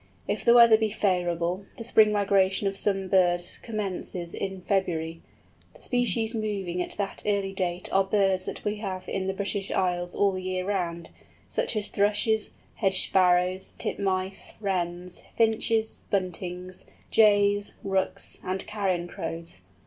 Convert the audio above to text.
If the weather be favourable, the spring migration of some birds commences in February. The species moving at that early date are birds that we have in the British Isles all the year round, such as Thrushes, Hedge Sparrows, Titmice, Wrens, Finches, Buntings, Jays, Rooks, and Carrion Crows.